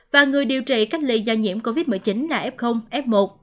và người điều trị cách ly do nhiễm covid một mươi chín là f f một